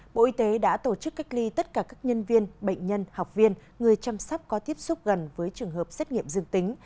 bộ y tế đã tổ chức cách ly tất cả các nhân viên bệnh nhân học viên người chăm sóc có tiếp xúc gần với trường hợp xét nghiệm dương tính